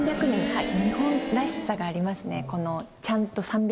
はい。